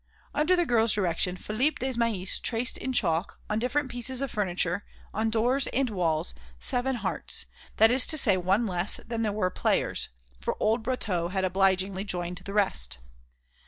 Under the girl's direction Philippe Desmahis traced in chalk, on different pieces of furniture, on doors and walls, seven hearts, that is to say one less than there were players, for old Brotteaux had obligingly joined the rest.